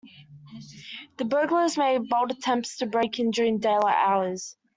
The burglars made bold attempts to break in during daylight hours.